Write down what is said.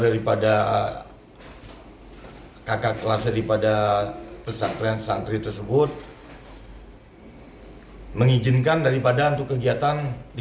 daripada kakak kelasnya daripada pesantren santri tersebut mengizinkan daripada untuk kegiatan di